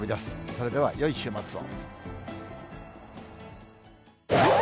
それではよい週末を。